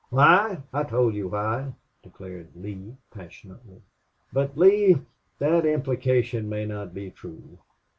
"Why? I told you why," declared Lee, passionately. "But, Lee that implication may not be true.